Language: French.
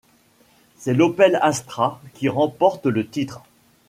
C'est l'Opel Astra qui remporte le titre.